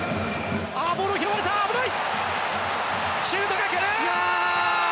シュートが来る！